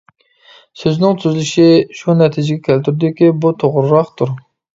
سۆزنىڭ تۈزۈلۈشى شۇ نەتىجىگە كەلتۈردىكى، بۇ توغرىراقتۇر.